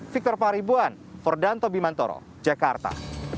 victor paribuan fordan tobimantoro jakarta